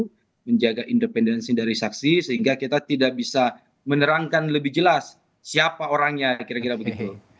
untuk menjaga independensi dari saksi sehingga kita tidak bisa menerangkan lebih jelas siapa orangnya kira kira begitu